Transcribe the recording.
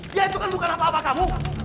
dia itu kan bukan apa apa kamu